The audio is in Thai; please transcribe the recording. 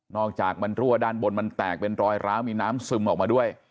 อกจากมันรั่วด้านบนมันแตกเป็นรอยร้าวมีน้ำซึมออกมาด้วย